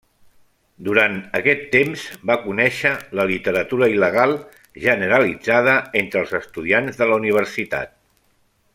Durant aquest temps va conèixer la literatura il·legal generalitzada entre els estudiants de la Universitat.